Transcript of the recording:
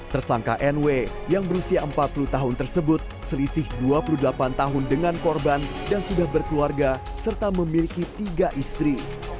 tersangka nw yang berusia empat puluh tahun tersebut selisih dua puluh delapan tahun dengan korban dan sudah berkeluarga serta memiliki tiga istri